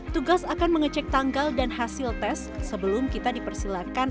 tugas akan mengecek tanggal dan hasil tes sebelum kita dipersilakan